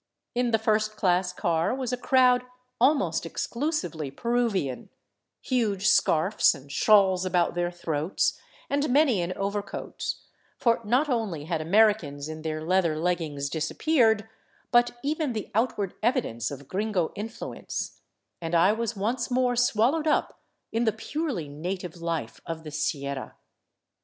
In the first class car was a crowd almost exclusively Peruvian, huge scarfs and shawls about their throats, and many in overcoats ; for not only had Americans in their leather leggings disappeared, but even the out ward evidence of gringo influence ; and I was once more swallowed up 337 VAGABONDING DOWN THE ANDES in the purely native life of the Sierra.